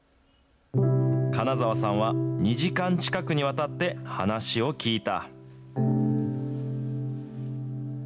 金澤さんは、２時間近くにわたって話を聞いた。